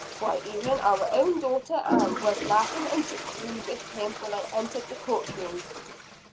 Why, even our own daughter Ann, was laughing and joking with him when I entered the court room."